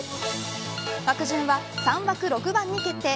枠順は３枠６番に決定。